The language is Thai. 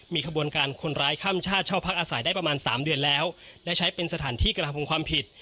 มีขบวนการคนร้ายข้ามชาติเช่าพักอาศัยได้ประมาณสามเดือนแล้วและใช้เป็นสถานที่กระทำความผิด